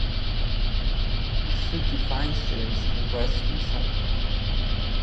Suki finds James and rescues him.